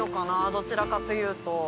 どちらかというと。